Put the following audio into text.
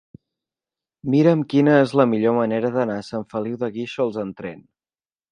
Mira'm quina és la millor manera d'anar a Sant Feliu de Guíxols amb tren.